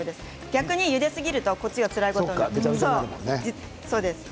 逆にゆですぎるとこっちがつらいことになるからね。